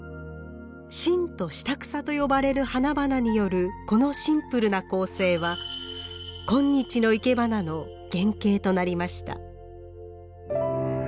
真と下草と呼ばれる花々によるこのシンプルな構成は今日のいけばなの原型となりました。